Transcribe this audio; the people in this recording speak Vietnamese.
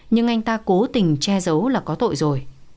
nhưng anh ta cố tình che giấu là có tội rồi